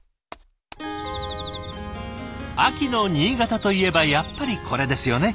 秋の新潟といえばやっぱりこれですよね。